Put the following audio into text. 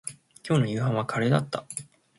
今日の夕飯はカレーだった